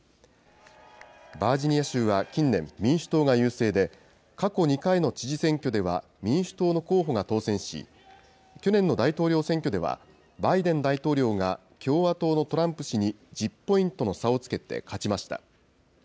バージニア州は近年、民主党が優勢で、過去２回の知事選挙では民主党の候補が当選し、去年の大統領選挙では、バイデン大統領が共和党のトランプ氏に１０ポイントの差をつけて勝ちました。